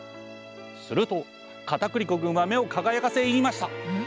するとかたくり粉くんは目を輝かせ言いました。